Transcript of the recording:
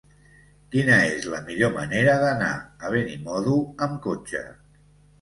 Quina és la millor manera d'anar a Benimodo amb cotxe?